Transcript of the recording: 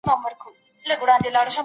هنر هنر سوم زرګري کومه ښه کومه